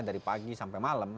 dari pagi sampai malam